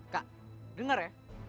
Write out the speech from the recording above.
kak denger ya